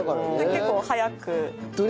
結構早く。